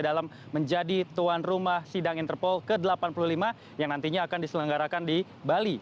dalam menjadi tuan rumah sidang interpol ke delapan puluh lima yang nantinya akan diselenggarakan di bali